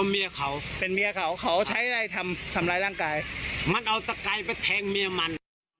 มันเอาตะไกลไปแทงเมียมัน